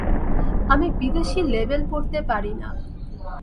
আমি বিদেশী লেবেল পড়তে পারি না।